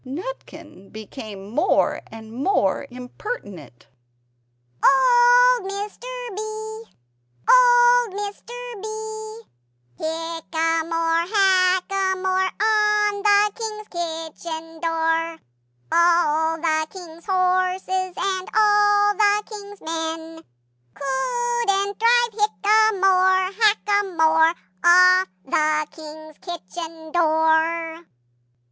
Nutkin became more and more impertinent "Old Mr. B! Old Mr. B! Hickamore, Hackamore, on the King's kitchen door; All the King's horses, and all the King's men, Couldn't drive Hickamore, Hackamore, Off the King's kitchen door!"